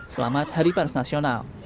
selamat hari prs nasional